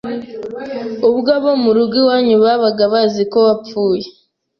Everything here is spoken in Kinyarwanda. Ubwo abo mu rugo iwanyu babaga baziko wapfuye